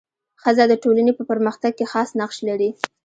ښځه د ټولني په پرمختګ کي خاص نقش لري.